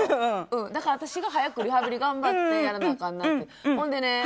だから私が早くリハビリ頑張ってやらなあかんなっていう。